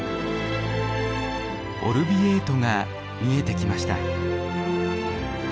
オルヴィエートが見えてきました。